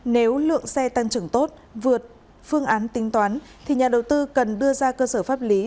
nếu lượng xe tăng trưởng tốt vượt phương án tính toán thì nhà đầu tư cần đưa ra cơ sở pháp lý